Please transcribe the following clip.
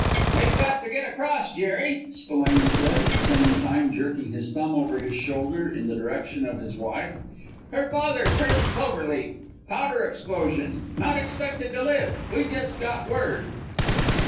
"We've got to get across, Jerry," Spillane said, at the same time jerking his thumb over his shoulder in the direction of his wife. "Her father's hurt at the Clover Leaf. Powder explosion. Not expected to live. We just got word."